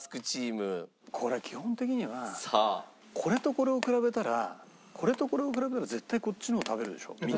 これ基本的にはこれとこれを比べたらこれとこれを比べると絶対こっちの方を食べるでしょ？